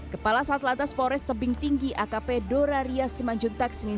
kepala satlatas forest tebing tinggi akp doraria simanjung takseni